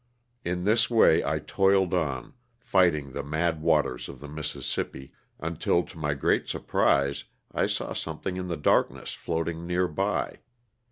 In this way I toiled on, fighting the mad waters of the Mississippi, until to my great surprise I saw something in the darkness floating near by.